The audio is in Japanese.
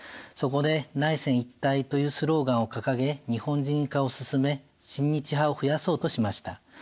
そこで内鮮一体というスローガンを掲げ日本人化を進め親日派を増やそうとしました。